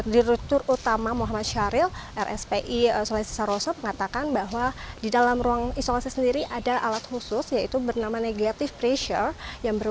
direktur utama muhammad syahril rspi selesa rosob mengatakan bahwa di dalam ruang isolasi sendiri ada alat khusus yaitu bernama negatif dari ruang isolasi yang telah diperlukan oleh rsi revolusi rupiah dan ruhis